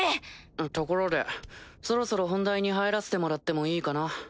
ところでそろそろ本題に入らせてもらってもいいかな？